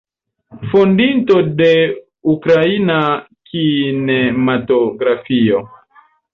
Fondinto de ukraina kinematografio.